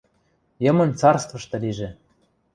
йымын царствышты лижӹ